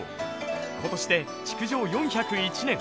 今年で築城４０１年。